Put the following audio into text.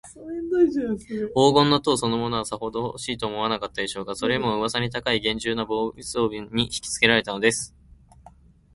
黄金の塔そのものは、さほどほしいとも思わなかったでしょうが、それよりも、うわさに高いげんじゅうな防備装置にひきつけられたのです。